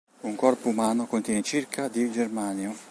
Un corpo umano contiene circa di germanio.